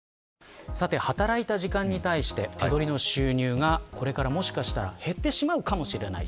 働いた時間に対して手取りの収入が、これからもしかしたら減ってしまうかもしれない。